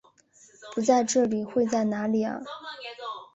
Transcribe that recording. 不在这里会在哪里啊？